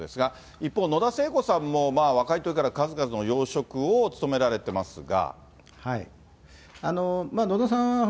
一方、野田聖子さんも若いときから数々の要職を務められていますが。